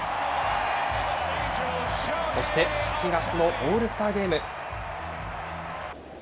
そして、７月のオールスターゲーム。